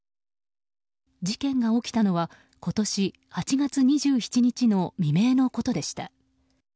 事件が起きたのは今年８月２７日の未明のことでした。